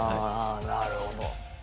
なるほど。